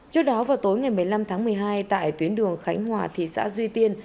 trước đó vào tối ngày một mươi năm tháng một mươi hai tại tuyến đường khánh hòa thị xã duy tiên